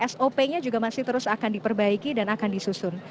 sop nya juga masih terus akan diperbaiki dan akan disusun